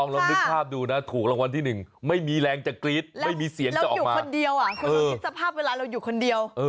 เราอยู่คนเดียวอ่ะคุณต้องคิดสภาพเวลาเราอยู่คนเดียว